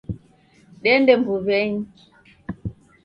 Dende mbuw'enyi.